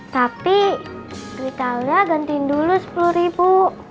tapi beli talia gantiin dulu sepuluh ribu